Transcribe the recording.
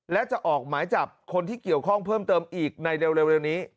และจะออกหมายจับคนที่เกี่ยวข้องเพิ่มเติมอีกในเร็วนี้